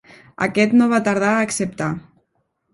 Aquest no va tardar a acceptar.